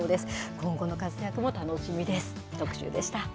今後の活躍も楽しみです。